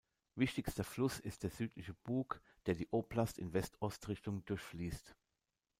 Wichtigster Fluss ist der Südliche Bug, der die Oblast in West-Ost-Richtung durchfließt.